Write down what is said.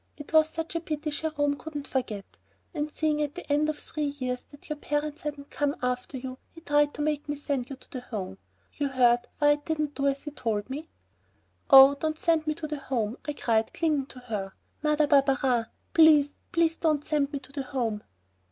It was such a pity Jerome couldn't forget, and seeing at the end of three years that your parents hadn't come after you, he tried to make me send you to the Home. You heard why I didn't do as he told me?" "Oh, don't send me to the Home," I cried, clinging to her, "Mother Barberin, please, please, don't send me to the Home."